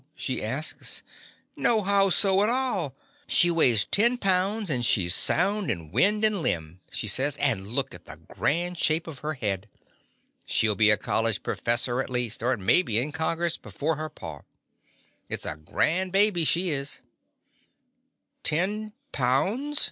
she asks; "No 'how so' at all. She weighs ten pounds, and she 's sound in wind and limb," she The Confessions of a Daddy says, "and look at the grand shape of her head! She '11 be a college profes soress at least, or maybe in Congress before her pa. It 's a grand baby she isr "Ten pounds!"